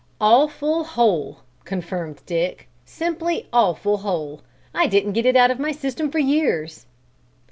"Awful hole!" confirmed Dick. "Simply awful hole! I didn't get it out of my system for years."